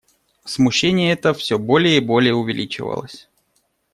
Смущение это всё более и более увеличивалось.